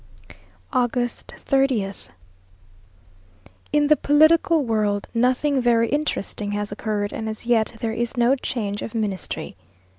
August 30th In the political world nothing very interesting has occurred and as yet there is no change of ministry.